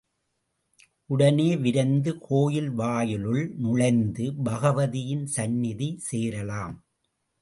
உடனே விரைந்து கோயில் வாயிலுள் நுழைந்து, பகவதியின் சந்நிதி சேரலாம்.